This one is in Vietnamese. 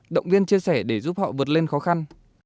động viên chia sẻ để giúp họ vượt lên khó khăn